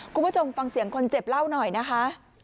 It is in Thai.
คุณผู้ชมฟังเสียงคนเจ็บเล่าหน่อยนะคะ